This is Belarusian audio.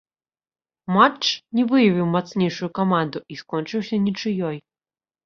Матч не выявіў мацнейшую каманду і скончыўся нічыёй.